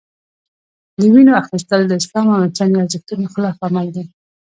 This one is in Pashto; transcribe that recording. د وینو اخیستل د اسلام او انساني ارزښتونو خلاف عمل دی.